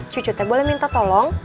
cucu teh boleh minta tolong